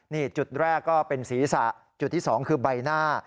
นี่จุดแรกก็เป็นศีรษะจุดที่๒คือใบหน้า